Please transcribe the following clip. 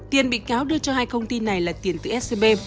tiền bị cáo đưa cho hai công ty này là tiền từ scb